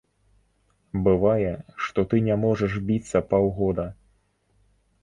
Бывае, што ты не можаш біцца паўгода.